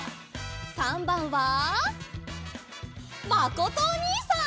③ばんはまことおにいさん！